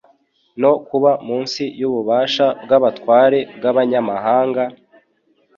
no kuba munsi y'ububasha bw'abatware bw'abanyamahanga;